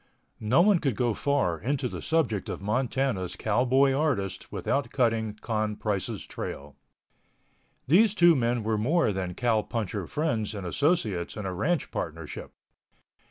No one could go far into the subject of Montana's Cowboy Artist without cutting Con Price's trail. These two men were more than cowpuncher friends and associates in a ranch partnership.